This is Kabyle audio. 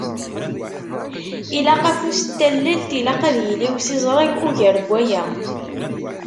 Ilaq afus n tallelt, Ilaq ad yili usiẓreg ugar n waya.